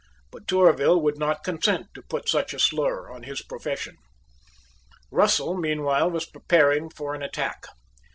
But Tourville would not consent to put such a slur on his profession. Russell meanwhile was preparing for an attack.